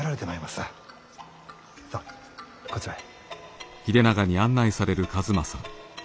さあこちらへ。